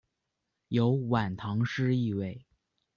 有晚唐诗意味。